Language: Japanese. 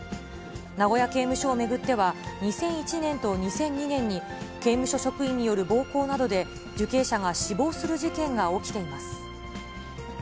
名古屋刑務所を巡っては、２００１年と２００２年に、刑務所職員による暴行などで、受刑者が死亡する事件が起きています。